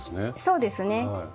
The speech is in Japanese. そうですね。